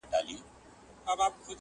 د قصاب څنګ ته موچي په کار لګیا وو،